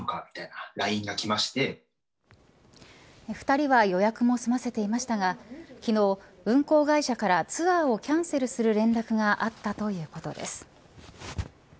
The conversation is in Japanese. ２人は予約も済ませていましたが昨日、運航会社からツアーをキャンセルする連絡があったということです。